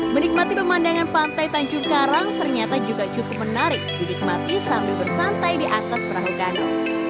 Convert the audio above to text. menikmati pemandangan pantai tanjung karang ternyata juga cukup menarik didikmati sambil bersantai di atas perahu danau